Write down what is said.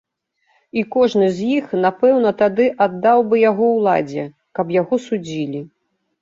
І кожны з іх напэўна тады аддаў бы яго ўладзе, каб яго судзілі.